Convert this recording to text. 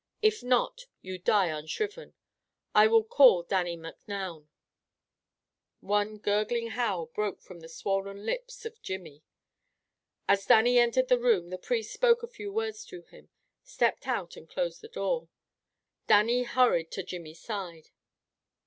If not, you die unshriven! I will call Dannie Macnoun." One gurgling howl broke from the swollen lips of Jimmy. As Dannie entered the room, the priest spoke a few words to him, stepped out and closed the door. Dannie hurried to Jimmy's side.